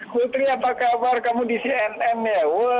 putri apa kabar kamu di cnn ya